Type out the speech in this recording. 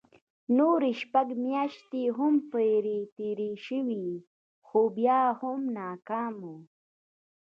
نورې شپږ مياشتې هم پرې تېرې شوې خو بيا هم ناکام وو.